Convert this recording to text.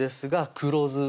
黒酢？